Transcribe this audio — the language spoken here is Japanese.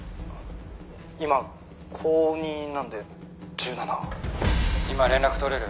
「今高２なので１７」「今連絡取れる？」